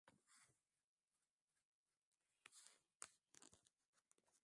Naogopa chura mkubwa.